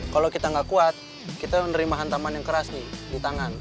kalau kita nggak kuat kita menerima hantaman yang keras nih di tangan